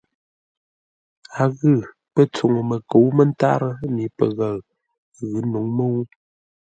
A ghʉ pə́ tsuŋu məkə̌u mə́ntárə́ mi pəghəʉ ghʉ̌ nǔŋ mə́u.